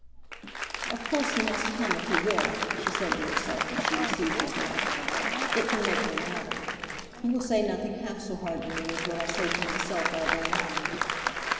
"Of course he must come if he will," she said to herself when she received his note. "It can make no matter. He will say nothing half so hard to me as what I say to myself all day long."